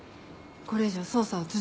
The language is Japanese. これ以上捜査を続けても。